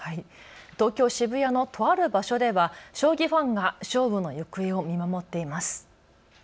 東京渋谷のとある場所では将棋ファンが勝負の行方を見守っています。